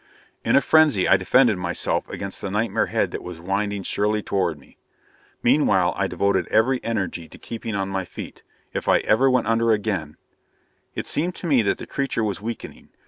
In a frenzy I defended myself against the nightmare head that was winding surely toward me. Meanwhile I devoted every energy to keeping on my feet. If I ever went under again It seemed to me that the creature was weakening.